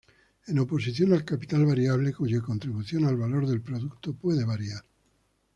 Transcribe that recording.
En oposición al capital variable, cuya contribución al valor del producto puede variar.